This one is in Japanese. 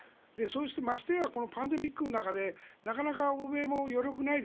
ましてやパンデミックの中でなかなか欧米も余力がない。